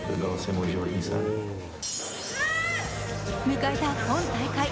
迎えた今大会。